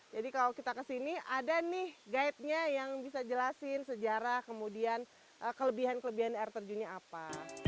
jadi kalau kita ke sini ada nih guide nya yang bisa jelasin sejarah kemudian kelebihan kelebihan air terjunnya apa